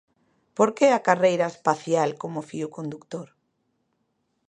Por que a carreira espacial como fío condutor?